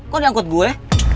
kok diangkut gue